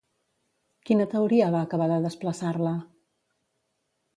Quina teoria va acabar de desplaçar-la?